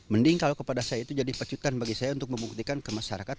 mending kalau kepada saya itu jadi pecutan bagi saya untuk membuktikan ke masyarakat